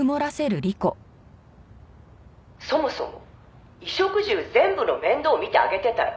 「そもそも衣食住全部の面倒を見てあげてたら」